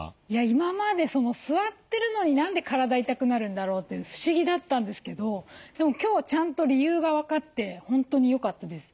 今まで座ってるのに何で体痛くなるんだろうって不思議だったんですけどでも今日ちゃんと理由が分かって本当に良かったです。